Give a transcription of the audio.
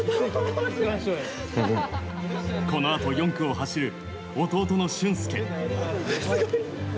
このあと４区を走る弟の駿恭。